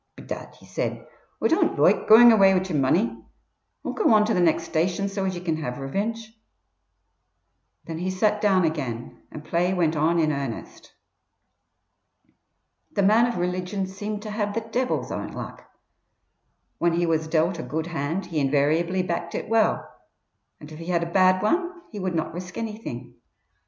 "Bedad," he said, "Oi don't loike goin' away wid yer money. Oi'll go on to the next station so as ye can have revinge." Then he sat down again, and play went on in earnest. The man of religion seemed to have the Devil's own luck. When he was dealt a good hand he invariably backed it well, and if he had a bad one he would not risk anything.